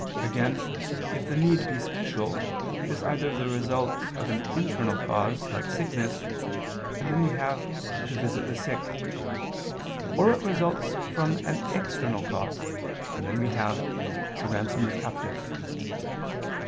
_ Again if the need be special, it is either the result of an internal cause, like sickness, and then we have to visit the sick, or it results from an external cause, and then we have _to ransom the captive.